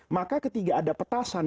maka ketiga ada petasan